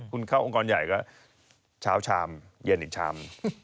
คุณเข้าองค์กรใหญ่ก็เช้าชามเย็นอีกชาม